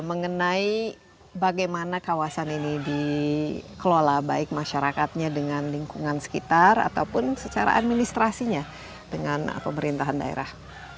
mengenai bagaimana kawasan ini dikelola baik masyarakatnya dengan lingkungan sekitar ataupun secara administrasinya dengan pemerintahan daerah